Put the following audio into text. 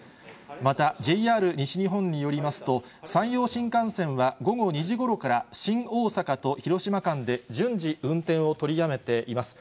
また、ＪＲ西日本によりますと、山陽新幹線は午後２時ごろから新大阪と広島間で順次、運転を取りやめています。